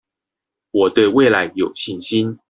我對未來有信心